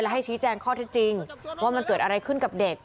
ให้ชี้แจงข้อเท็จจริงว่ามันเกิดอะไรขึ้นกับเด็ก